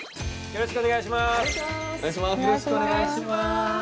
よろしくお願いします。